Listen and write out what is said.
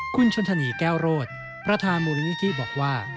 คุณชนธนีแก้วโรดประธานมูลนิธิบอกว่า